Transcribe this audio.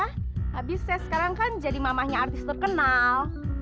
habis saya sekarang kan jadi mamahnya artis terkenal